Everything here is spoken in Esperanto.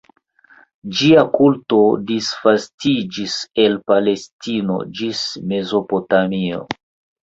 Ĝia kulto disvastiĝis el Palestino ĝis Mezopotamio.